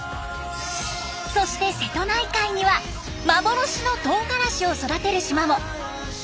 そして瀬戸内海には幻のトウガラシを育てる島も！